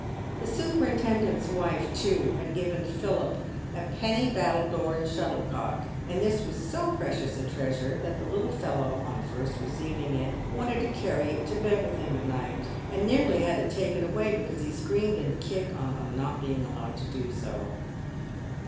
The superintendent's wife, too, had given Philip a penny battledoor and shuttlecock, and this was so precious a treasure that the little fellow, on first receiving it, wanted to carry it to bed with him at night, and nearly had it taken away because he screamed and kicked on not being allowed to do so.